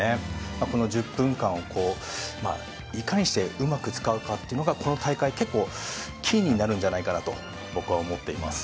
この１０分間をいかにしてうまく使うかというのがこの大会、結構キーになるんじゃないかなと思います。